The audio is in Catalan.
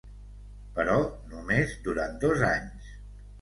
Però només durant dos anys.